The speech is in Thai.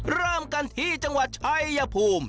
เริ่มกันที่จังหวัดชัยภูมิ